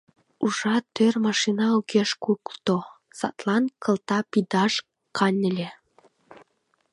Уржа тӧр, машина огеш кукто, садлан кылта пидаш каньыле...